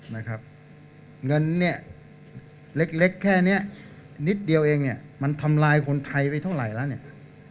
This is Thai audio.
นะครับเงินเนี่ยเล็กเล็กแค่เนี้ยนิดเดียวเองเนี่ยมันทำลายคนไทยไปเท่าไหร่แล้วเนี่ย